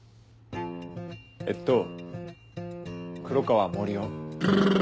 えっと黒川森生。